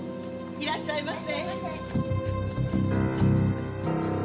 いらっしゃいませ。